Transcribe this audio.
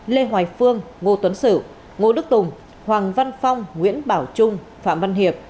lê hoài phương ngô tuấn sử ngô đức tùng hoàng văn phong nguyễn bảo trung phạm văn hiệp